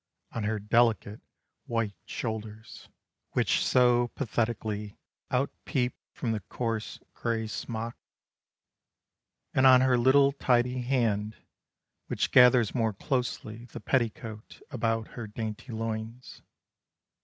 On her delicate white shoulders Which so pathetically outpeep From the coarse gray smock, And on her little tidy hand Which gathers more closely the petticoat About her dainty loins.